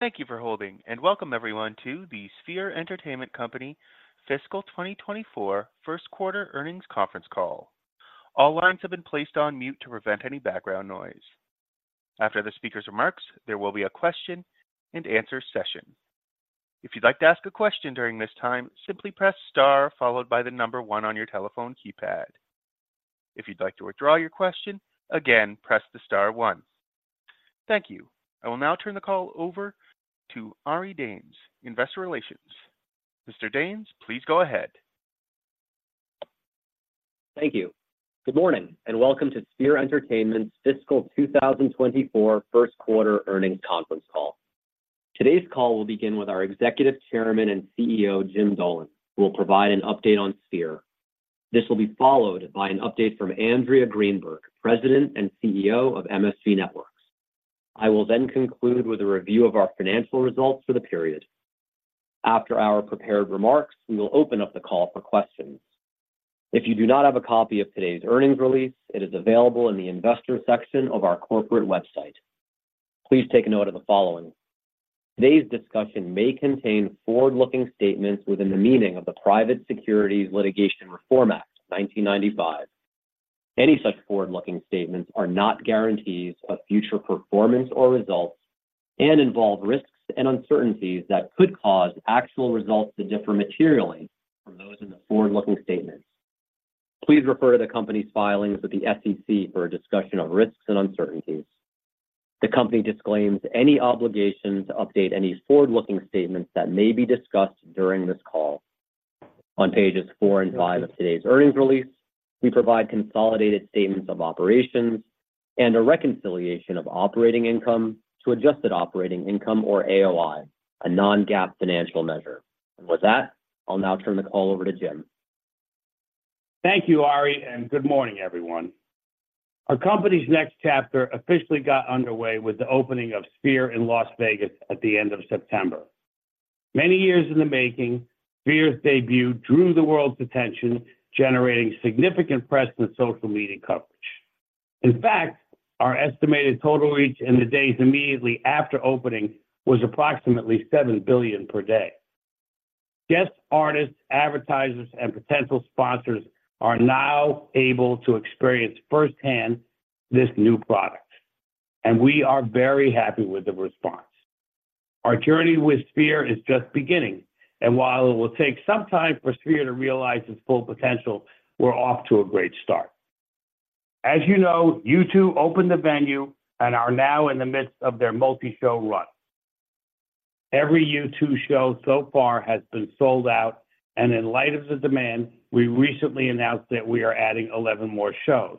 Thank you for holding, and welcome everyone to the Sphere Entertainment Company fiscal 2024 first quarter earnings conference call. All lines have been placed on mute to prevent any background noise. After the speaker's remarks, there will be a question-and-answer session. If you'd like to ask a question during this time, simply press star followed by the number one on your telephone keypad. If you'd like to withdraw your question, again, press the star one. Thank you. I will now turn the call over to Ari Danes, Investor Relations. Mr. Danes, please go ahead. Thank you. Good morning, and welcome to Sphere Entertainment's fiscal 2024 first quarter earnings conference call. Today's call will begin with our Executive Chairman and CEO, James Dolan, who will provide an update on Sphere. This will be followed by an update from Andrea Greenberg, President and CEO of MSG Networks. I will then conclude with a review of our financial results for the period. After our prepared remarks, we will open up the call for questions. If you do not have a copy of today's earnings release, it is available in the investor section of our corporate website. Please take a note of the following: Today's discussion may contain forward-looking statements within the meaning of the Private Securities Litigation Reform Act of 1995. Any such forward-looking statements are not guarantees of future performance or results and involve risks and uncertainties that could cause actual results to differ materially from those in the forward-looking statements. Please refer to the company's filings with the SEC for a discussion of risks and uncertainties. The company disclaims any obligation to update any forward-looking statements that may be discussed during this call. On pages four and five of today's earnings release, we provide consolidated statements of operations and a reconciliation of operating income to adjusted operating income or AOI, a non-GAAP financial measure. With that, I'll now turn the call over to James. Thank you, Ari, and good morning, everyone. Our company's next chapter officially got underway with the opening of Sphere in Las Vegas at the end of September. Many years in the making, Sphere's debut drew the world's attention, generating significant press and social media coverage. In fact, our estimated total reach in the days immediately after opening was approximately $7 billion per day. Guests, artists, advertisers, and potential sponsors are now able to experience firsthand this new product, and we are very happy with the response. Our journey with Sphere is just beginning, and while it will take some time for Sphere to realize its full potential, we're off to a great start. As you know, U2 opened the venue and are now in the midst of their multi-show run. Every U2 show so far has been sold out, and in light of the demand, we recently announced that we are adding 11 more shows.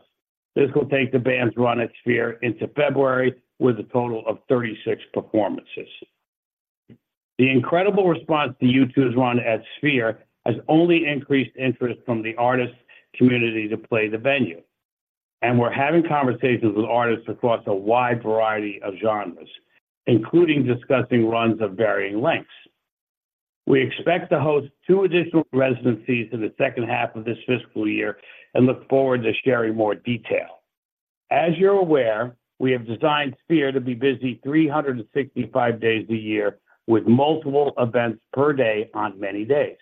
This will take the band's run at Sphere into February with a total of 36 performances. The incredible response to U2's run at Sphere has only increased interest from the artist community to play the venue, and we're having conversations with artists across a wide variety of genres, including discussing runs of varying lengths. We expect to host two additional residencies in the second half of this fiscal year and look forward to sharing more detail. As you're aware, we have designed Sphere to be busy 365 days a year, with multiple events per day on many days.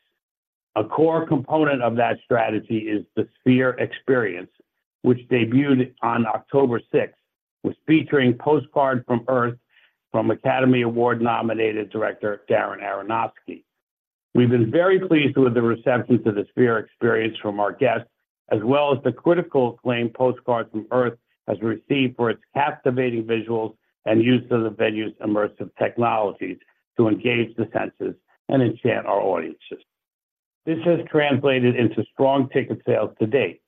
A core component of that strategy is the Sphere Experience, which debuted on October 6 featuring Postcard from Earth from Academy Award-nominated director Darren Aronofsky. We've been very pleased with the reception to the Sphere Experience from our guests, as well as the critical acclaim Postcard from Earth has received for its captivating visuals and use of the venue's immersive technologies to engage the senses and enchant our audiences. This has translated into strong ticket sales to date.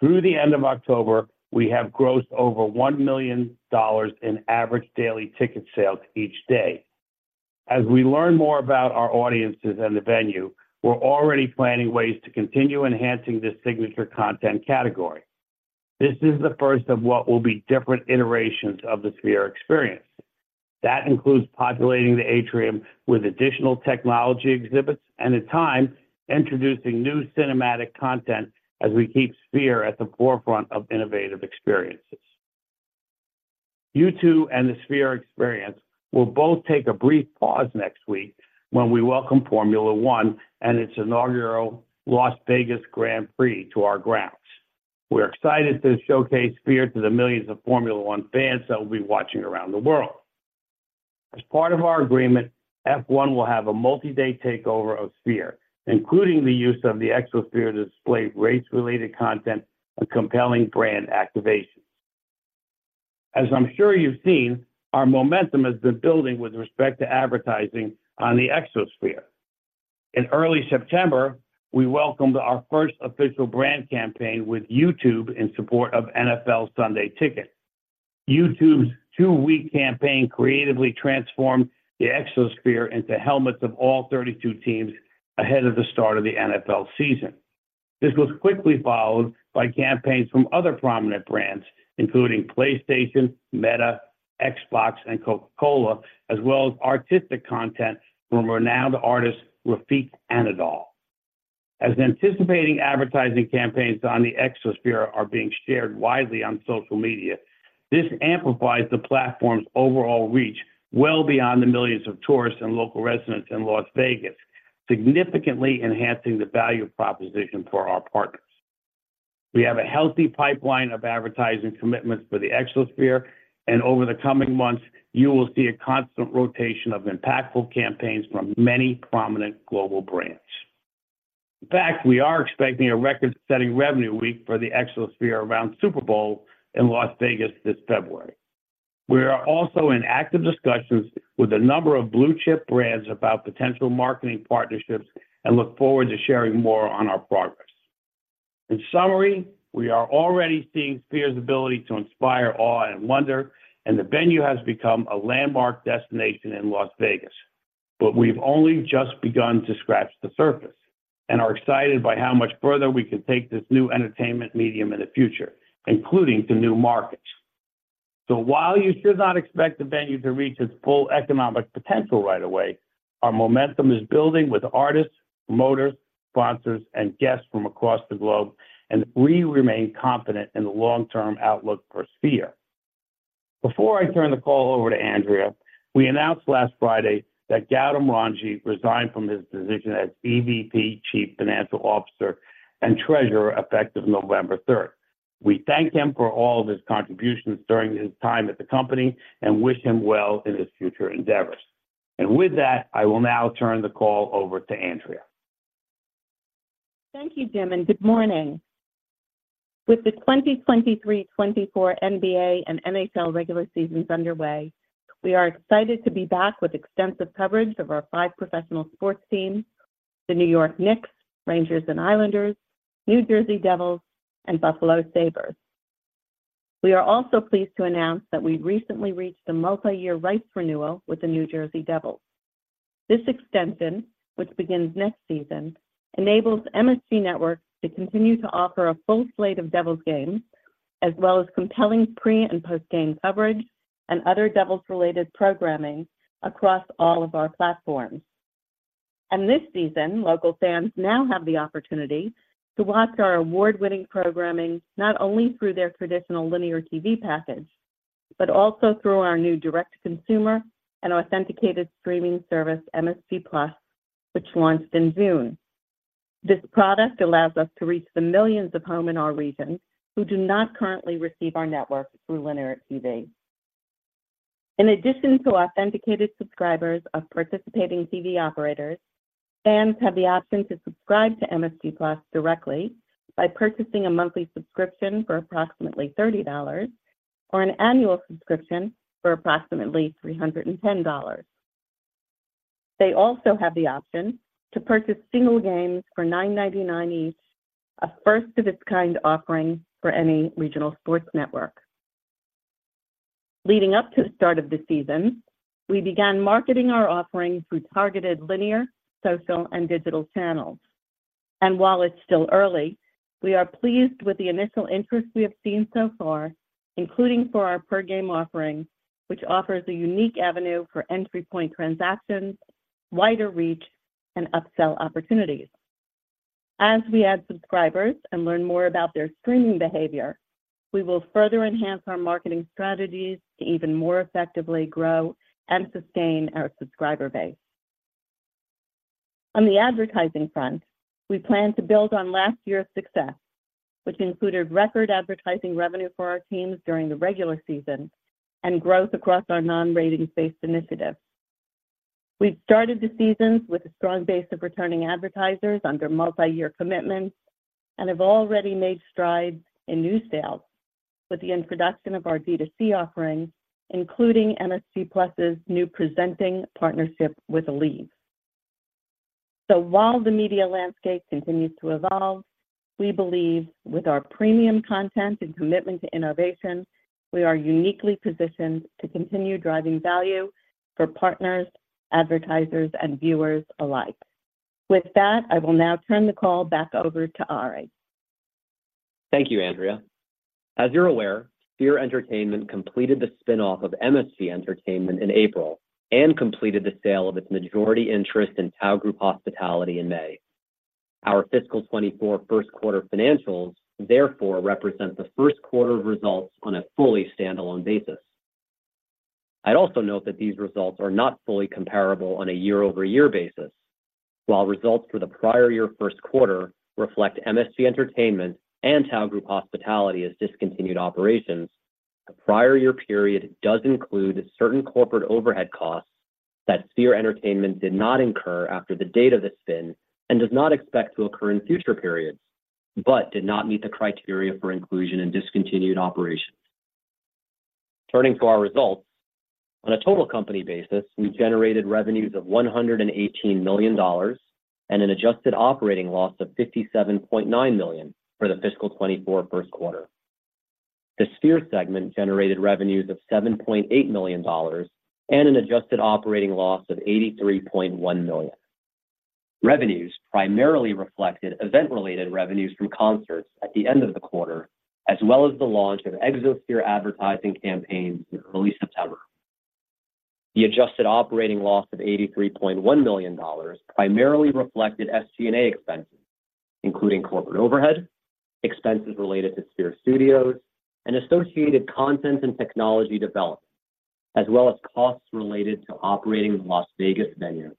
Through the end of October, we have grossed over $1 million in average daily ticket sales each day. As we learn more about our audiences and the venue, we're already planning ways to continue enhancing this signature content category. This is the first of what will be different iterations of the Sphere Experience. That includes populating the atrium with additional technology exhibits and, in time, introducing new cinematic content as we keep Sphere at the forefront of innovative experiences. U2 and the Sphere Experience will both take a brief pause next week when we welcome Formula One and its inaugural Las Vegas Grand Prix to our grounds. We're excited to showcase Sphere to the millions of Formula One fans that will be watching around the world. As part of our agreement, F1 will have a multi-day takeover of Sphere, including the use of the Exosphere to display race-related content and compelling brand activations. As I'm sure you've seen, our momentum has been building with respect to advertising on the Exosphere. In early September, we welcomed our first official brand campaign with YouTube in support of NFL Sunday Ticket. YouTube's two-week campaign creatively transformed the Exosphere into helmets of all 32 teams ahead of the start of the NFL season. This was quickly followed by campaigns from other prominent brands, including PlayStation, Meta, Xbox, and Coca-Cola, as well as artistic content from renowned artist, Refik Anadol... As anticipated advertising campaigns on the Exosphere are being shared widely on social media, this amplifies the platform's overall reach well beyond the millions of tourists and local residents in Las Vegas, significantly enhancing the value proposition for our partners. We have a healthy pipeline of advertising commitments for the Exosphere, and over the coming months, you will see a constant rotation of impactful campaigns from many prominent global brands. In fact, we are expecting a record-setting revenue week for the Exosphere around Super Bowl in Las Vegas this February. We are also in active discussions with a number of blue-chip brands about potential marketing partnerships and look forward to sharing more on our progress. In summary, we are already seeing Sphere's ability to inspire awe and wonder, and the venue has become a landmark destination in Las Vegas. But we've only just begun to scratch the surface and are excited by how much further we can take this new entertainment medium in the future, including to new markets. So while you should not expect the venue to reach its full economic potential right away, our momentum is building with artists, promoters, sponsors, and guests from across the globe, and we remain confident in the long-term outlook for Sphere. Before I turn the call over to Andrea, we announced last Friday that Gautam Ranji resigned from his position as EVP, Chief Financial Officer, and Treasurer, effective November 3rd. We thank him for all of his contributions during his time at the company and wish him well in his future endeavors. With that, I will now turn the call over to Andrea. Thank you, James, and good morning. With the 2023-2024 NBA and NHL regular seasons underway, we are excited to be back with extensive coverage of our five professional sports teams: the New York Knicks, Rangers and Islanders, New Jersey Devils, and Buffalo Sabres. We are also pleased to announce that we've recently reached a multi-year rights renewal with the New Jersey Devils. This extension, which begins next season, enables MSG Network to continue to offer a full slate of Devils games, as well as compelling pre- and post-game coverage and other Devils-related programming across all of our platforms. This season, local fans now have the opportunity to watch our award-winning programming not only through their traditional linear TV package, but also through our new direct consumer and authenticated streaming service, MSG+, which launched in June. This product allows us to reach the millions of homes in our region who do not currently receive our network through linear TV. In addition to authenticated subscribers of participating TV operators, fans have the option to subscribe to MSG+ directly by purchasing a monthly subscription for approximately $30 or an annual subscription for approximately $310. They also have the option to purchase single games for $9.99 each, a first-of-its-kind offering for any regional sports network. Leading up to the start of the season, we began marketing our offerings through targeted linear, social, and digital channels. While it's still early, we are pleased with the initial interest we have seen so far, including for our per-game offering, which offers a unique avenue for entry point transactions, wider reach, and upsell opportunities. As we add subscribers and learn more about their streaming behavior, we will further enhance our marketing strategies to even more effectively grow and sustain our subscriber base. On the advertising front, we plan to build on last year's success, which included record advertising revenue for our teams during the regular season and growth across our non-ratings-based initiatives. We've started the season with a strong base of returning advertisers under multi-year commitments and have already made strides in new sales with the introduction of our D2C offerings, including MSG+'s new presenting partnership with League. So while the media landscape continues to evolve, we believe with our premium content and commitment to innovation, we are uniquely positioned to continue driving value for partners, advertisers, and viewers alike. With that, I will now turn the call back over to Ari. Thank you, Andrea. As you're aware, Sphere Entertainment completed the spin-off of MSG Entertainment in April and completed the sale of its majority interest in Tao Group Hospitality in May. Our fiscal 2024 first quarter financials, therefore, represent the first quarter of results on a fully standalone basis. I'd also note that these results are not fully comparable on a year-over-year basis. While results for the prior year first quarter reflect MSG Entertainment and Tao Group Hospitality as discontinued operations, the prior year period does include certain corporate overhead costs that Sphere Entertainment did not incur after the date of the spin and does not expect to occur in future periods, but did not meet the criteria for inclusion in discontinued operations. Turning to our results, on a total company basis, we generated revenues of $118 million and an adjusted operating loss of $57.9 million for the fiscal 2024 first quarter. The Sphere segment generated revenues of $7.8 million and an adjusted operating loss of $83.1 million. Revenues primarily reflected event-related revenues from concerts at the end of the quarter, as well as the launch of Exosphere advertising campaigns in early September.... The adjusted operating loss of $83.1 million primarily reflected SG&A expenses, including corporate overhead, expenses related to Sphere Studios, and associated content and technology development, as well as costs related to operating the Las Vegas venue.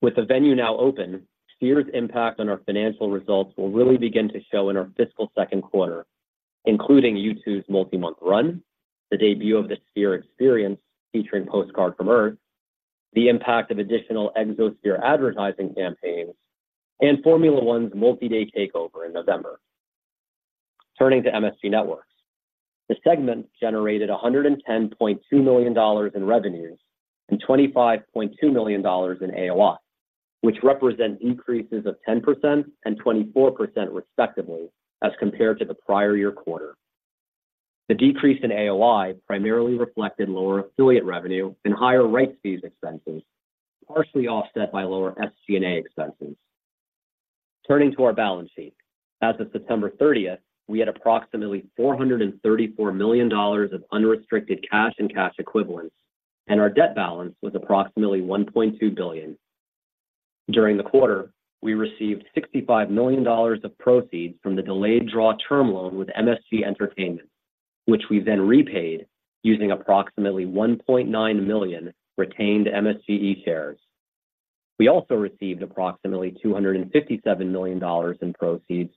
With the venue now open, Sphere's impact on our financial results will really begin to show in our fiscal second quarter, including U2's multi-month run, the debut of the Sphere Experience, featuring Postcard from Earth, the impact of additional Exosphere advertising campaigns, and Formula One's multi-day takeover in November. Turning to MSG Networks, the segment generated $110.2 million in revenues and $25.2 million in AOI, which represent increases of 10% and 24% respectively, as compared to the prior year quarter. The decrease in AOI primarily reflected lower affiliate revenue and higher rights fees expenses, partially offset by lower SG&A expenses. Turning to our balance sheet. As of September 30th, we had approximately $434 million of unrestricted cash and cash equivalents, and our debt balance was approximately $1.2 billion. During the quarter, we received $65 million of proceeds from the delayed draw term loan with MSG Entertainment, which we then repaid using approximately $1.9 million retained MSGE shares. We also received approximately $257 million in proceeds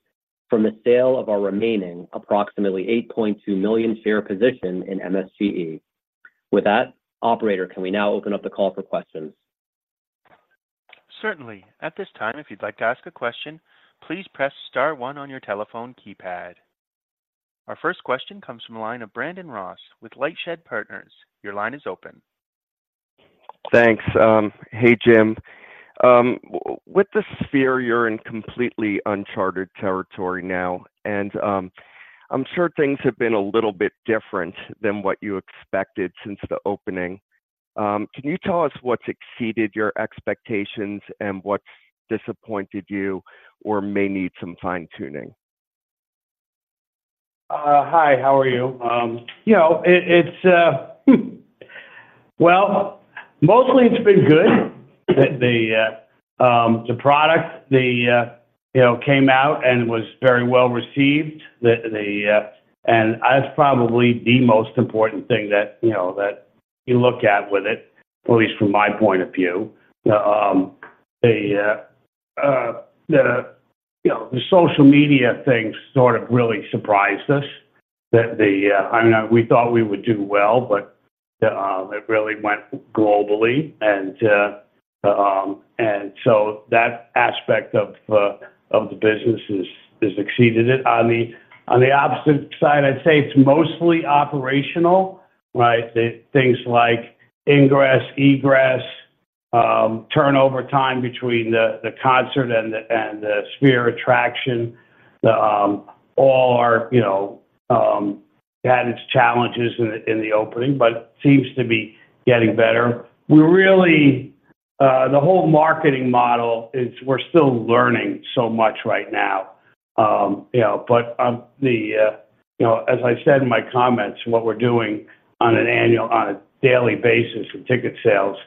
from the sale of our remaining approximately 8.2 million share position in MSGE. With that, operator, can we now open up the call for questions? Certainly. At this time, if you'd like to ask a question, please press star one on your telephone keypad. Our first question comes from the line of Brandon Ross with LightShed Partners. Your line is open. Thanks. Hey, James. With the Sphere, you're in completely uncharted territory now, and I'm sure things have been a little bit different than what you expected since the opening. Can you tell us what's exceeded your expectations and what's disappointed you or may need some fine-tuning? Hi, how are you? You know, it's, well, mostly it's been good. The product, you know, came out and was very well-received. That's probably the most important thing that, you know, that you look at with it, at least from my point of view. The social media thing sort of really surprised us. That... I mean, we thought we would do well, but it really went globally. And so that aspect of the business is exceeded it. On the opposite side, I'd say it's mostly operational, right? The things like ingress, egress, turnover time between the concert and the Sphere attraction, all are, you know, had its challenges in the opening, but seems to be getting better. We're really, the whole marketing model is we're still learning so much right now. You know, but, the, you know, as I said in my comments, what we're doing on an annual—on a daily basis for ticket sales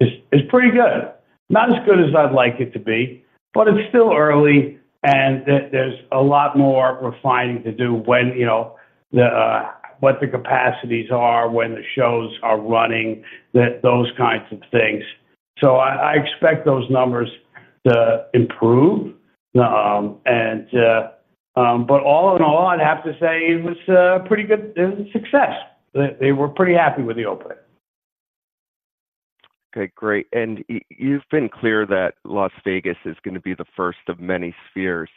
is, is pretty good. Not as good as I'd like it to be, but it's still early, and there, there's a lot more refining to do when, you know, the, what the capacities are, when the shows are running, that those kinds of things. So I, I expect those numbers to improve. But all in all, I'd have to say it was a pretty good success. That we're pretty happy with the opening. Okay, great. You've been clear that Las Vegas is gonna be the first of many Spheres.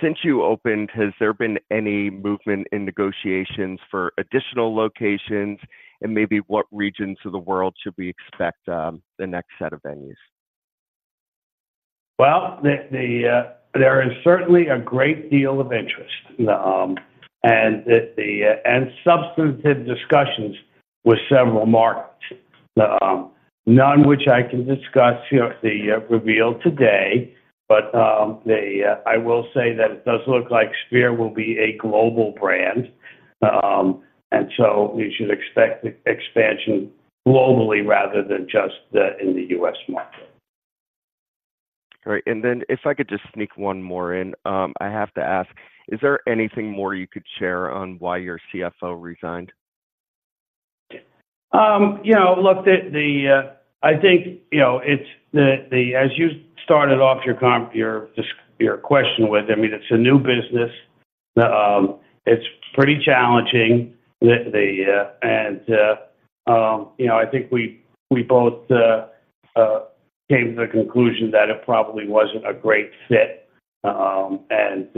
Since you opened, has there been any movement in negotiations for additional locations, and maybe what regions of the world should we expect, the next set of venues? Well, there is certainly a great deal of interest. Substantive discussions with several markets. None which I can discuss or reveal today, but I will say that it does look like Sphere will be a global brand. And so you should expect expansion globally rather than just in the U.S. market. Great. And then if I could just sneak one more in. I have to ask, is there anything more you could share on why your CFO resigned? You know, look, I think, you know, it's as you started off your question with, I mean, it's a new business. It's pretty challenging. You know, I think we both came to the conclusion that it probably wasn't a great fit. And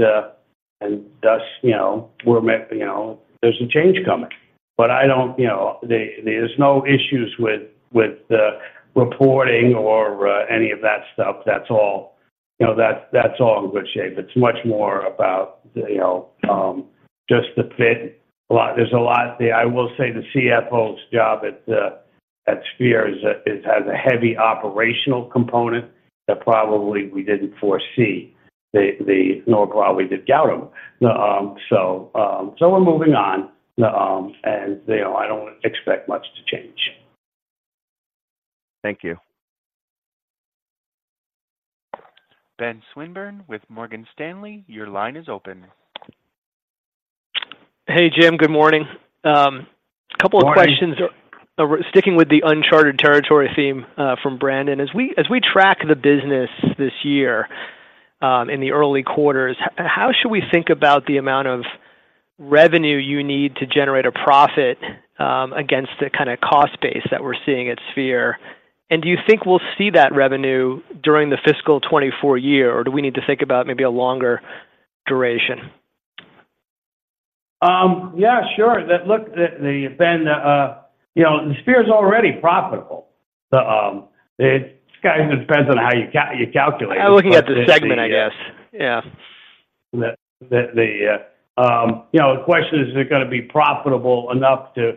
thus, you know, we're met, you know, there's a change coming. But I don't, you know, there's no issues with the reporting or any of that stuff. That's all, you know, that's all in good shape. It's much more about, you know, just the fit. There's a lot. I will say the CFO's job at Sphere has a heavy operational component that probably we didn't foresee. The role probably did get him. So we're moving on. You know, I don't expect much to change. Thank you. Ben Swinburne with Morgan Stanley, your line is open. Hey, James. Good morning. Couple of questions- Good morning. Sticking with the uncharted territory theme from Brandon. As we track the business this year, in the early quarters, how should we think about the amount of revenue you need to generate a profit against the kinda cost base that we're seeing at Sphere? And do you think we'll see that revenue during the fiscal 2024 year, or do we need to think about maybe a longer duration? Yeah, sure. That look, Ben, you know, the Sphere's already profitable. So, it kinda depends on how you calculate it. I'm looking at the segment, I guess. Yeah. You know, the question is, is it gonna be profitable enough to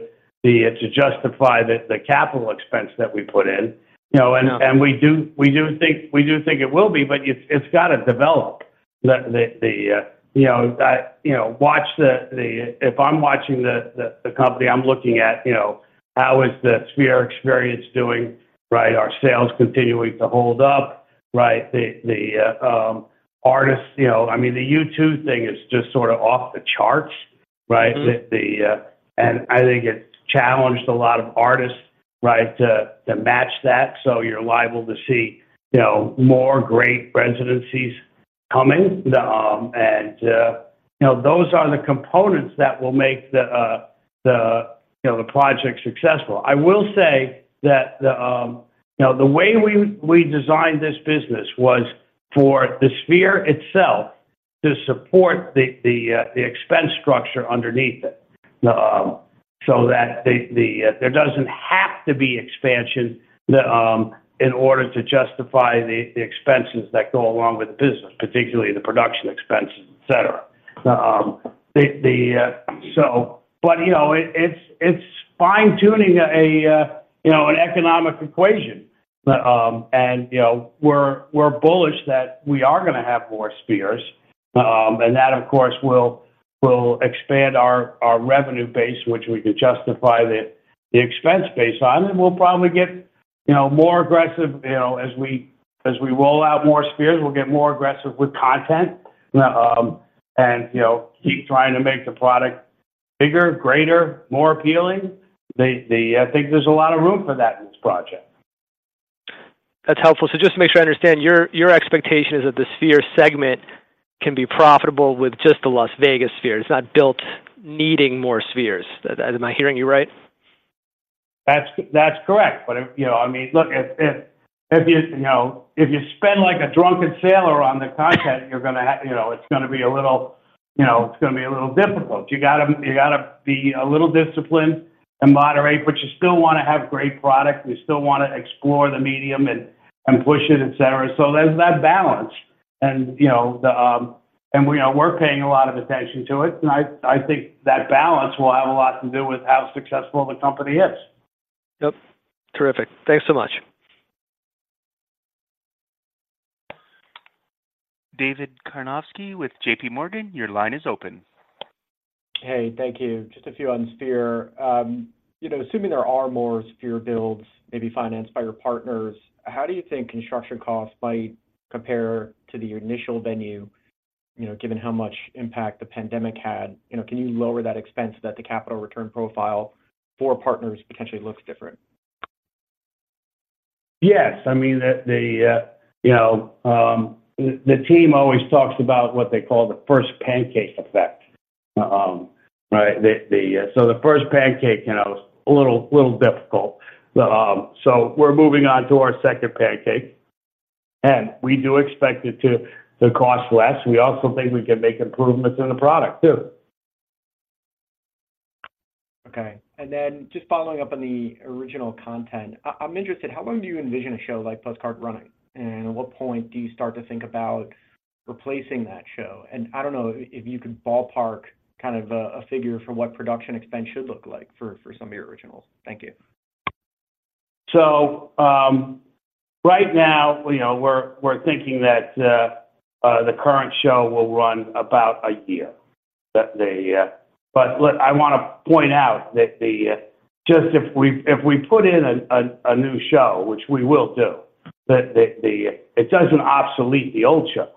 justify the capital expense that we put in? You know, and- Yeah.... And we do think it will be, but it's gotta develop the, you know, I, you know, watch the... If I'm watching the company, I'm looking at, you know, how is the Sphere Experience doing, right? Are sales continuing to hold up, right? The artists, you know, I mean, the U2 thing is just sort of off the charts, right? Mm-hmm. I think it's challenged a lot of artists, right, to match that, so you're liable to see, you know, more great residencies coming. You know, those are the components that will make the project successful. I will say that the way we designed this business was for the Sphere itself to support the expense structure underneath it. So that there doesn't have to be expansion in order to justify the expenses that go along with the business, particularly the production expenses, et cetera. So but, you know, it's fine-tuning an economic equation. you know, we're bullish that we are gonna have more Spheres, and that, of course, will expand our revenue base, which we can justify the expense base on. And we'll probably get, you know, more aggressive, you know, as we roll out more Spheres, we'll get more aggressive with content, and, you know, keep trying to make the product bigger, greater, more appealing. I think there's a lot of room for that in this project. That's helpful. So just to make sure I understand, your, your expectation is that the Sphere segment can be profitable with just the Las Vegas Sphere. It's not built needing more Spheres. Am I hearing you right? That's correct. But, you know, I mean, look, if you, you know, if you spend like a drunken sailor on the content... You're gonna have, you know, it's gonna be a little, you know, it's gonna be a little difficult. You gotta, you gotta be a little disciplined and moderate, but you still wanna have great product. You still wanna explore the medium and, and push it, et cetera. So there's that balance. And, you know, we are - we're paying a lot of attention to it, and I, I think that balance will have a lot to do with how successful the company is. Yep. Terrific. Thanks so much. David Karnovsky with JPMorgan, your line is open. Hey, thank you. Just a few on Sphere. You know, assuming there are more Sphere builds, maybe financed by your partners, how do you think construction costs might compare to the initial venue, you know, given how much impact the pandemic had? You know, can you lower that expense that the capital return profile for partners potentially looks different? Yes. I mean, you know, the team always talks about what they call the first pancake effect. Right? So the first pancake, you know, was a little difficult. But, so we're moving on to our second pancake, and we do expect it to cost less. We also think we can make improvements in the product, too. Okay. And then, just following up on the original content, I'm interested, how long do you envision a show like Postcard running? And at what point do you start to think about replacing that show? And I don't know if you could ballpark kind of a figure for what production expense should look like for some of your originals. Thank you. So, right now, you know, we're thinking that the current show will run about a year. That the... But look, I wanna point out that just if we put in a new show, which we will do, it doesn't obsolete the old show.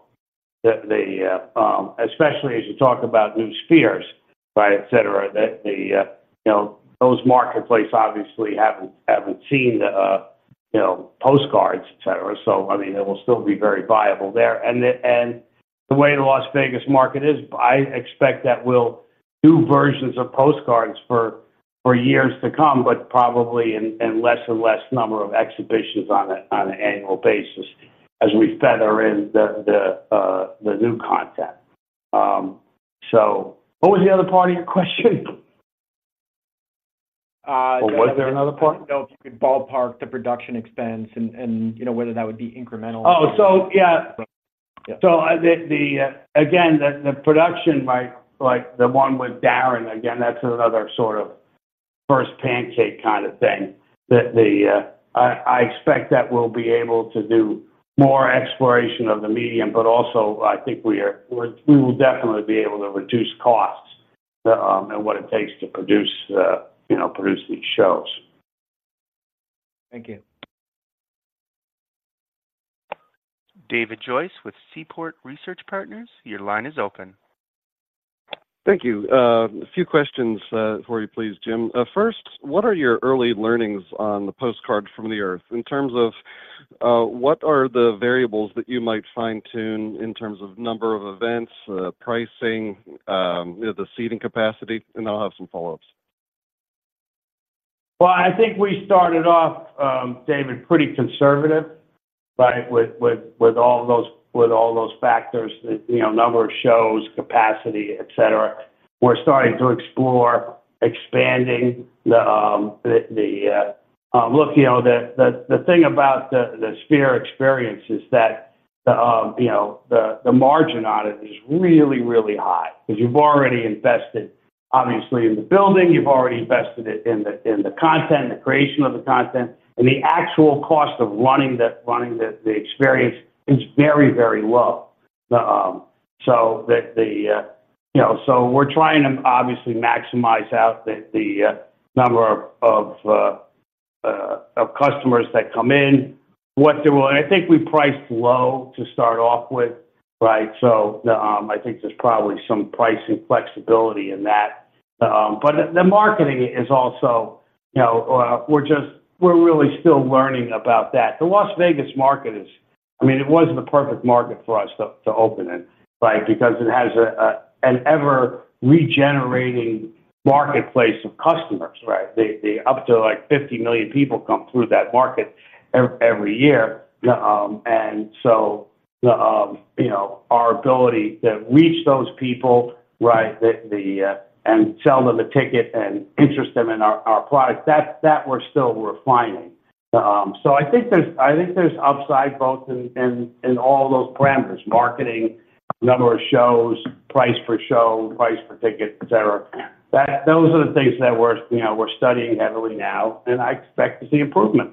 The, especially as you talk about new spheres, right, et cetera, the you know, those marketplace obviously haven't seen the you know, Postcards, et cetera. So I mean, it will still be very viable there. And the way the Las Vegas market is, I expect that we'll do versions of Postcards for years to come, but probably in less and less number of exhibitions on an annual basis as we feather in the new content. So what was the other part of your question? Or was there another part? If you could ballpark the production expense and, you know, whether that would be incremental- Oh, so yeah. Yeah. So the production, like the one with Darren, again, that's another sort of first pancake kind of thing, that I expect that we'll be able to do more exploration of the medium, but also I think we will definitely be able to reduce costs, and what it takes to produce, you know, produce these shows. Thank you. David Joyce with Seaport Research Partners, your line is open. Thank you. A few questions for you please, James. First, what are your early learnings on the Postcard from Earth in terms of what are the variables that you might fine-tune in terms of number of events, pricing, the seating capacity? I'll have some follow-ups. Well, I think we started off, David, pretty conservative, right? With all those factors, you know, number of shows, capacity, et cetera. We're starting to explore expanding the, look, you know, the thing about the Sphere Experience is that, you know, the margin on it is really, really high. 'Cause you've already invested, obviously, in the building, you've already invested in the content, the creation of the content, and the actual cost of running the experience is very, very low. So, you know, so we're trying to obviously maximize out the number of customers that come in, what they want. I think we priced low to start off with, right? So, I think there's probably some pricing flexibility in that. But the marketing is also, you know, we're really still learning about that. The Las Vegas market is, I mean, it wasn't a perfect market for us to open in, right? Because it has an ever-regenerating marketplace of customers, right? The up to, like, 50 million people come through that market every year. And so, you know, our ability to reach those people, right, and sell them a ticket and interest them in our product, that we're still refining. So I think there's upside both in all those parameters: marketing, number of shows, price per show, price per ticket, et cetera. Those are the things that we're, you know, we're studying heavily now, and I expect to see improvement.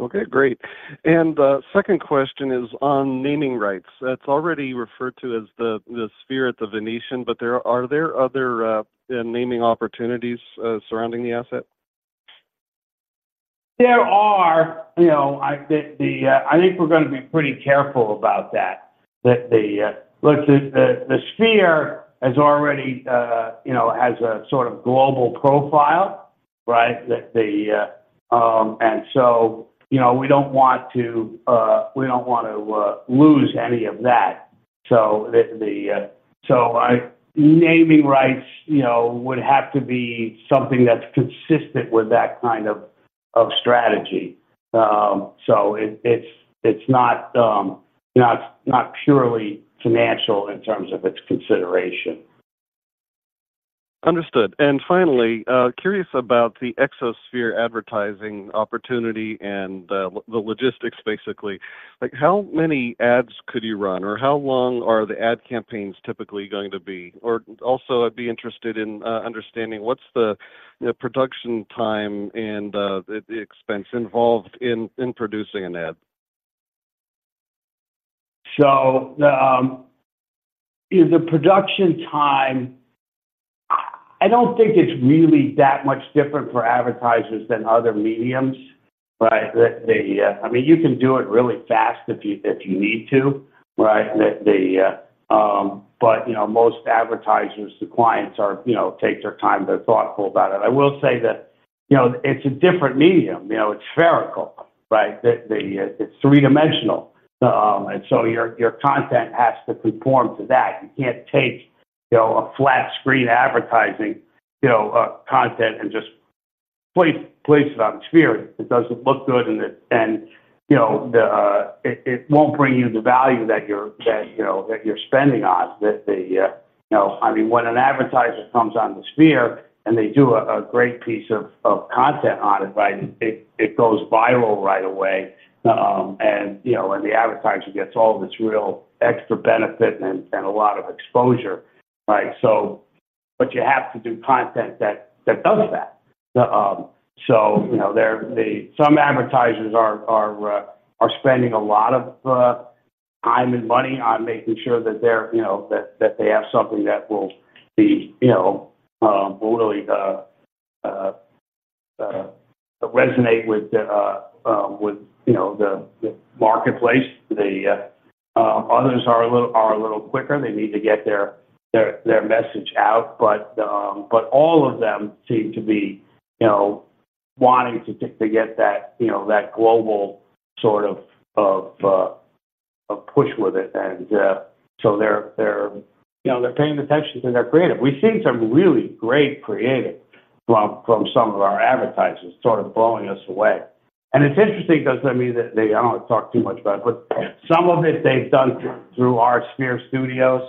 Okay, great. And the second question is on naming rights. That's already referred to as the Sphere at the Venetian, but there are other naming opportunities surrounding the asset? There are. You know, I think the, I think we're gonna be pretty careful about that. That the, look, the, the, the Sphere has already, you know, has a sort of global profile, right? That the, And so, you know, we don't want to, we don't want to, lose any of that. So the, the, so, naming rights, you know, would have to be something that's consistent with that kind of, of strategy. So it, it's, it's not, not, not purely financial in terms of its consideration. Understood. And finally, curious about the Exosphere advertising opportunity and the logistics, basically. Like, how many ads could you run or how long are the ad campaigns typically going to be? Or also, I'd be interested in understanding what's the production time and the expense involved in producing an ad? So, in the production time, I don't think it's really that much different for advertisers than other mediums, right? That the, I mean, you can do it really fast if you, if you need to, right? That the, but, you know, most advertisers, the clients are, you know, take their time, they're thoughtful about it. I will say that, you know, it's a different medium. You know, it's spherical, right? The, the, it's three-dimensional. And so your, your content has to conform to that. You can't take, you know, a flat-screen advertising, you know, content and just place, place it on the Sphere. It doesn't look good, and it, and, you know, the, it, it won't bring you the value that you're, that, you know, that you're spending on. That the, you know... I mean, when an advertiser comes on the Sphere, and they do a great piece of content on it, right, it goes viral right away. And you know, the advertiser gets all this real extra benefit and a lot of exposure, right? So, but you have to do content that does that. So, you know, some advertisers are spending a lot of time and money on making sure that they're, you know, that they have something that will be, you know, will really resonate with, you know, the marketplace. The others are a little quicker. They need to get their message out. But all of them seem to be, you know, wanting to get that, you know, that global sort of push with it. And so they're, you know, they're paying attention to their creative. We've seen some really great creative from some of our advertisers, sort of blowing us away. And it's interesting because, I mean, they—I don't want to talk too much about it, but some of it they've done through our Sphere Studios,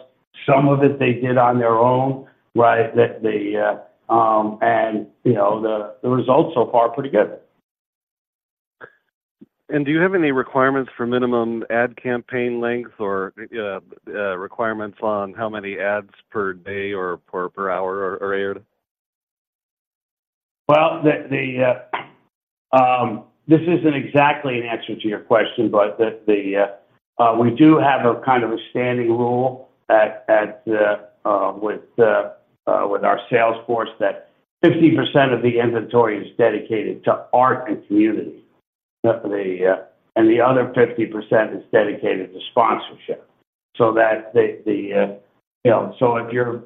some of it they did on their own, right? And, you know, the results so far are pretty good.... And do you have any requirements for minimum ad campaign length or, yeah, requirements on how many ads per day or per hour are aired? Well, this isn't exactly an answer to your question, but we do have a kind of a standing rule with our sales force that 50% of the inventory is dedicated to art and community. And the other 50% is dedicated to sponsorship. So that, you know, so if you're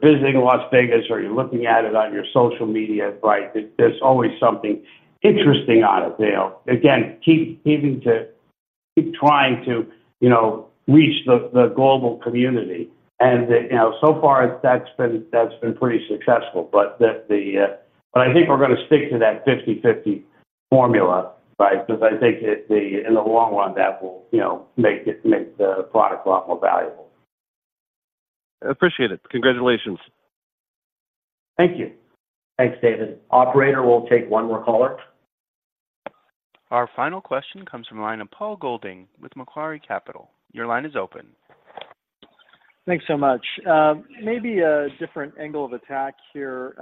visiting Las Vegas or you're looking at it on your social media, right, there's always something interesting on it. You know, again, keep trying to, you know, reach the global community. And, you know, so far that's been pretty successful. But I think we're gonna stick to that 50/50 formula, right? Because I think in the long run, that will, you know, make the product a lot more valuable. Appreciate it. Congratulations. Thank you. Thanks, David. Operator, we'll take one more caller. Our final question comes from the line of Paul Golding with Macquarie Capital. Your line is open. Thanks so much. Maybe a different angle of attack here.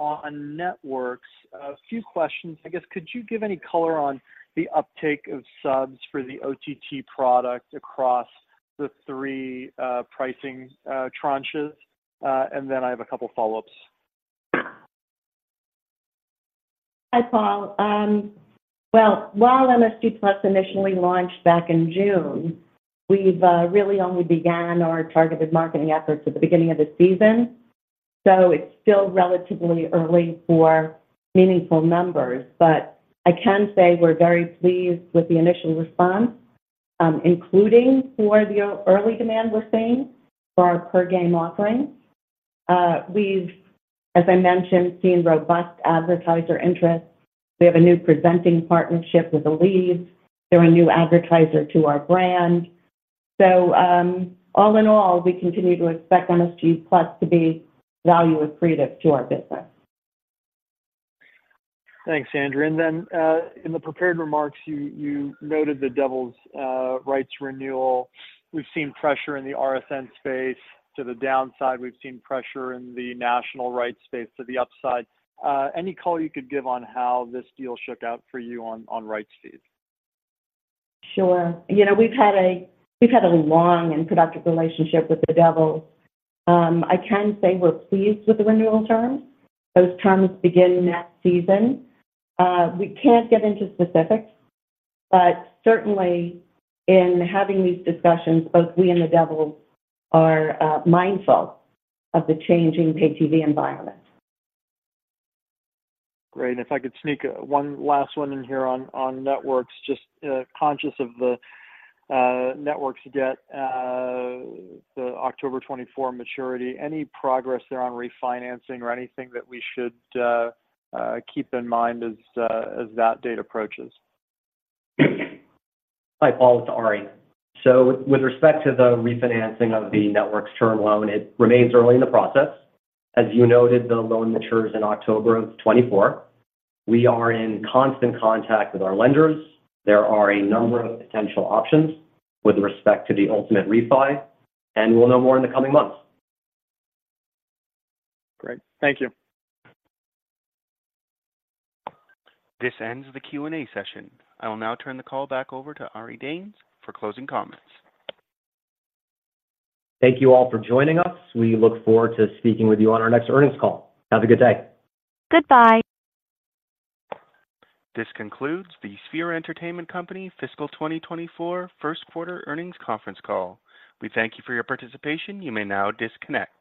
On networks, a few questions. I guess, could you give any color on the uptake of subs for the OTT product across the three pricing tranches? And then I have a couple follow-ups. Hi, Paul. Well, while MSG+ initially launched back in June, we've really only began our targeted marketing efforts at the beginning of the season, so it's still relatively early for meaningful numbers. But I can say we're very pleased with the initial response, including for the early demand we're seeing for our per-game offerings. We've, as I mentioned, seen robust advertiser interest. We have a new presenting partnership with the League. They're a new advertiser to our brand. So, all in all, we continue to expect MSG+ to be value accretive to our business. Thanks, Andrea. And then, in the prepared remarks, you noted the Devils' rights renewal. We've seen pressure in the RSN space to the downside. We've seen pressure in the national rights space to the upside. Any call you could give on how this deal shook out for you on rights fees? Sure. You know, we've had a long and productive relationship with the Devils. I can say we're pleased with the renewal terms. Those terms begin next season. We can't get into specifics, but certainly in having these discussions, both we and the Devils are mindful of the changing pay TV environment. Great. And if I could sneak one last one in here on networks, just conscious of the networks debt, the October 2024 maturity. Any progress there on refinancing or anything that we should keep in mind as that date approaches? Hi, Paul, it's Ari. So with respect to the refinancing of the networks term loan, it remains early in the process. As you noted, the loan matures in October of 2024. We are in constant contact with our lenders. There are a number of potential options with respect to the ultimate refi, and we'll know more in the coming months. Great. Thank you. This ends the Q&A session. I will now turn the call back over to Ari Danes for closing comments. Thank you all for joining us. We look forward to speaking with you on our next earnings call. Have a good day. Goodbye. This concludes the Sphere Entertainment Company fiscal 2024 first quarter earnings conference call. We thank you for your participation. You may now disconnect.